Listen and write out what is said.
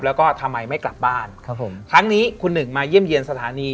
แล้วก็ทำไมไม่กลับบ้านครับผมครั้งนี้คุณหนึ่งมาเยี่ยมเยี่ยมสถานี